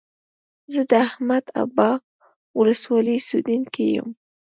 زه د احمد ابا ولسوالۍ اوسيدونکى يم.